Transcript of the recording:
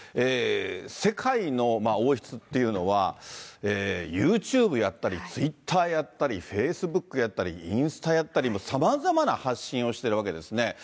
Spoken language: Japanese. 世界の王室っていうのは、ユーチューブやったり、ツイッターやったり、フェイスブックやったり、インスタやったり、さまざまな発信をしてるわけですね。